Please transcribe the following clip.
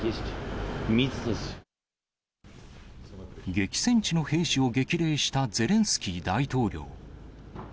激戦地の兵士を激励したゼレンスキー大統領。